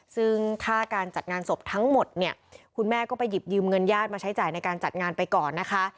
ซึ่งค่าการจัดงานศพทั้งหมดเนี่ยคุณแม่ก็ไปหยิบยืมเงินญาติมาใช้จ่ายในการจัดงานไปก่อนนะคะ